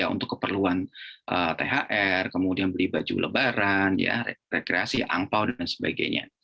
untuk keperluan thr kemudian beli baju lebaran rekreasi angpao dan sebagainya